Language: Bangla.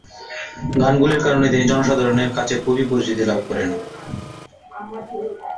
গানগুলির কারণে তিনি জনসাধারণের কাছে খুবই পরিচিতি লাভ করেন।